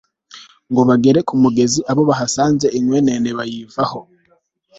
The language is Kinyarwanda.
ngo bagere ku mugezi, abo bahasanze inkwenene bayivaho